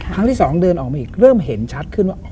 ครั้งที่สองเดินออกมาอีกเริ่มเห็นชัดขึ้นว่า